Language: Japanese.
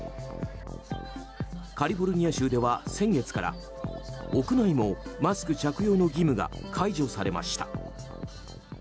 カリフォルニア州では先月から屋内もマスク着用の義務が解除されました。